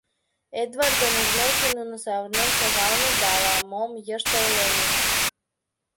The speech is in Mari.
Эдвардым ужмеке, нуно савырнен шогалыныт да ала-мом йышт ойленыт.